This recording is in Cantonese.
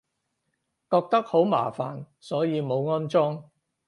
覺得好麻煩，所以冇安裝